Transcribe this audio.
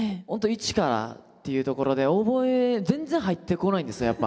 本当に一からっていうところで全然入ってこないんですよ